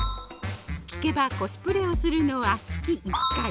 聞けばコスプレをするのは月１回。